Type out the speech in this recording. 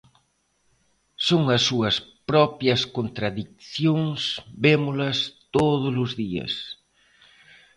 Son as súas propias contradicións, vémolas todos os días.